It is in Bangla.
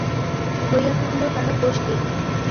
হইয়া থাকিলেও তাহার দোষ কী?